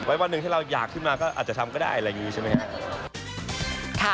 วันหนึ่งที่เราอยากขึ้นมาก็อาจจะทำก็ได้อะไรอย่างนี้ใช่ไหมครับ